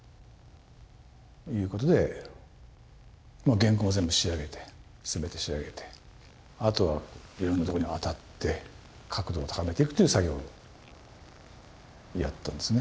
原稿も全部仕上げて全て仕上げてあとはいろんなとこに当たって確度を高めていくという作業をやったんですね。